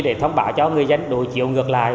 để thông báo cho người dân đối chiều ngược lại